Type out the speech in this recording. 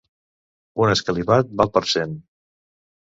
Un escalivat val per cent.